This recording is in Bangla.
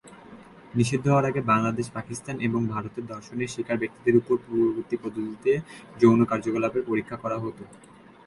নিষিদ্ধ হওয়ার আগে বাংলাদেশ, পাকিস্তান এবং ভারতে ধর্ষণের শিকার ব্যক্তিদের উপর পূর্ববর্তী পদ্ধতিতে যৌন কার্যকলাপের পরীক্ষা করা হত।